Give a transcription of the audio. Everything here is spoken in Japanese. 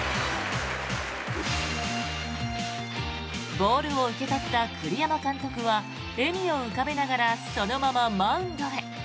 ボールを受け取った栗山監督は笑みを浮かべながらそのままマウンドへ。